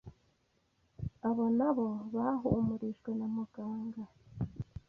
Abo nabo bahumurijwe na muganga